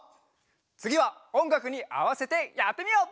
つぎはおんがくにあわせてやってみよう！